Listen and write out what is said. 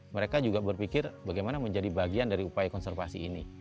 mereka juga berpikir bagaimana menjadi bagian dari upaya konservasi ini